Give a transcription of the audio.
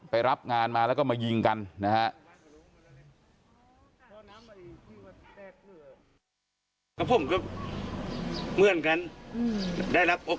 ไปรับงานมาแล้วก็มายิงกันนะฮะ